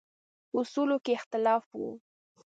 اصولو کې اختلاف و.